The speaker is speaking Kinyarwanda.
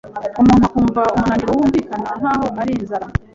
umuntu akumva umunaniro wumvikana nk’aho ari inzara,